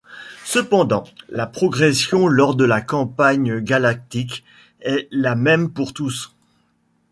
Cependant, la progression lors de la Campagne Galactique est la même pour tous.